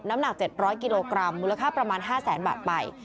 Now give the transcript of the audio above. น้ำหนัก๗๐๐กิโลกรัมมูลค่าประมาณ๕แสนบาทไป